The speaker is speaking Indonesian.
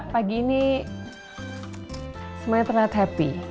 pagi ini semuanya terlihat happy